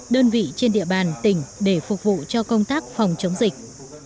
đơn vị trên địa bàn tỉnh để phục vụ cho công tác phòng chống dịch